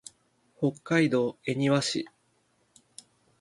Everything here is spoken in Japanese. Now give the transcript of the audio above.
北海道恵庭市